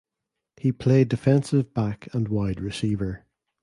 He played defensive back and wide receiver.